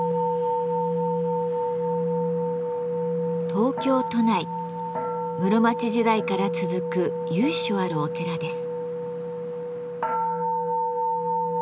東京都内室町時代から続く由緒あるお寺です。